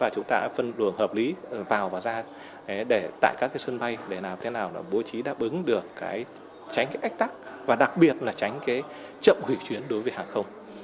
chúng ta phân luồng hợp lý vào và ra để tại các sân bay để làm thế nào bố trí đáp ứng được tránh ách tắc và đặc biệt là tránh chậm hủy chuyến đối với hàng không